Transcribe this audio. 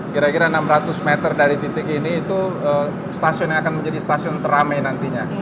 kira kira enam ratus meter dari titik ini itu stasiun yang akan menjadi stasiun teramai nantinya